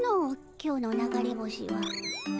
今日の流れ星は。